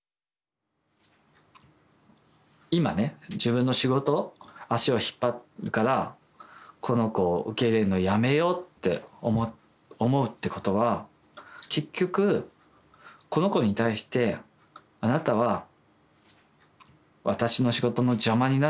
今ね自分の仕事足を引っ張るからこの子を受け入れるのやめようって思うってことは結局この子に対して「あなたは私の仕事の邪魔になる。